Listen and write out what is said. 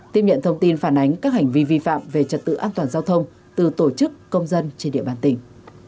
tiếp nhận thông tin phản ánh các hành vi vi phạm về trật tự an toàn giao thông từ tổ chức công dân trên địa bàn tỉnh